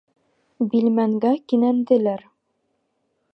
Билмәнгә кинәнделәр.